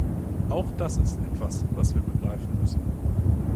Auch das ist etwas, was wir begreifen müssen.